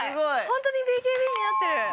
本当にＢＫＢになってる。